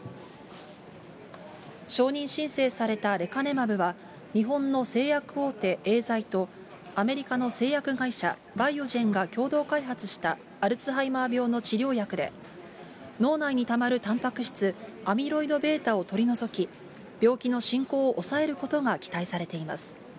承認申請されたレカネマブは、日本の製薬大手、エーザイと、アメリカの製薬会社、バイオジェンが共同開発した、アルツハイマー病の治療薬で、脳内にたまるたんぱく質、アミロイドβを取り除き、病気の進行を抑えることが期待されています。